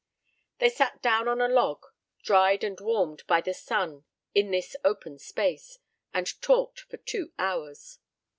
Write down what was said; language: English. They sat down on a log, dried and warmed by the sun in this open space, and talked for two hours.